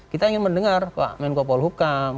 kita ingin mendengar pak menko paul hukam